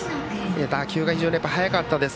打球が非常に速かったです。